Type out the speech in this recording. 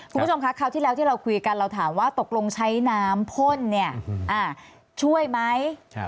คุณผู้ชมคะคราวที่แล้วที่เราคุยกันเราถามว่าตกลงใช้น้ำพ่นช่วยไหม